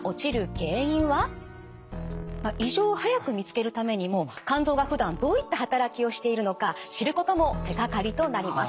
異常を早く見つけるためにも肝臓がふだんどういった働きをしているのか知ることも手がかりとなります。